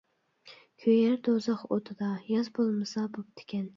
كۆيەر دوزاخ ئوتىدا، ياز بولمىسا بوپتىكەن.